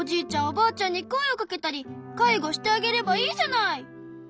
おばあちゃんに声をかけたり介護してあげればいいじゃない。